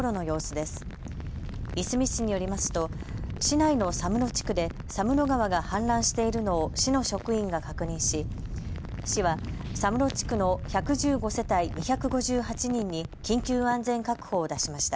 いすみ市によりますと市内の佐室地区で佐室川が氾濫しているのを市の職員が確認し市は佐室地区の１１５世帯２５８人に緊急安全確保を出しました。